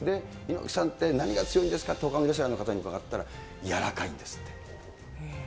猪木さんって、何が強いんですかって、ほかのレスラーの方に伺ったら、柔らかいんですって。